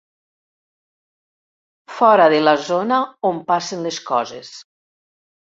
Fora de la zona on passen les coses.